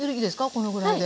このぐらいで。